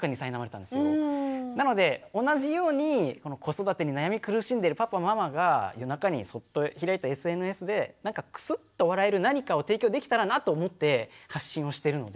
なので同じように子育てに悩み苦しんでるパパママが夜中にそっと開いたＳＮＳでなんかクスッと笑える何かを提供できたらなと思って発信をしてるので。